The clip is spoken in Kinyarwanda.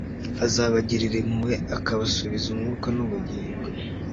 azabagirira impuhwe akabasubiza umwuka n'ubugingo